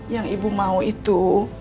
yang ibu mau itu